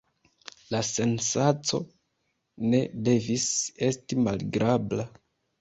La sensaco ne devis esti malagrabla.